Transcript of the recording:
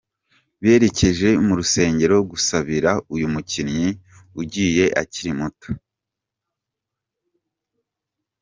Berekeje mu rusengero gusabira uyu mukinnyi ugiye akiri muto.